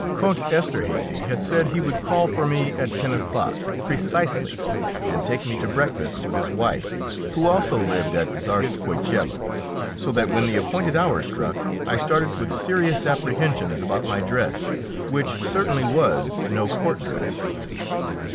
Count Esterhazy had said he would call for me at ten o'clock precisely and take me to breakfast with his wife, who also lived at Czarskoiesielo, so that when the appointed hour struck I started with serious apprehensions about my dress, which certainly was no court dress.